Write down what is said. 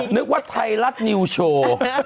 นึกว่าไทยรัฐนิวโชว์